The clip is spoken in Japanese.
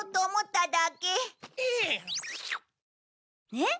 ねっ。